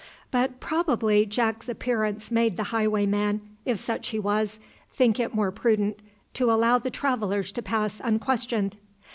But probably Jack's appearance made the highwayman, if such he was, think it more prudent to allow the travellers to pass unquestioned.